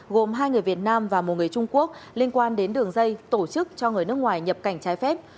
gồm hai người việt nam và một người trung quốc liên quan đến đường dây tổ chức cho người nước ngoài nhập cảnh trái phép